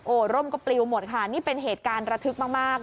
ร่มก็ปลิวหมดค่ะนี่เป็นเหตุการณ์ระทึกมาก